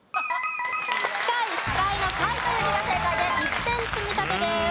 機会司会の「会」という字が正解で１点積み立てです。